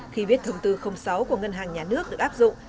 khi biết thông tư sáu của ngân hàng nhà nước được áp dụng